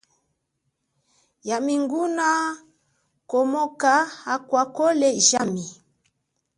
Yami nguna komoka akwakhole jami.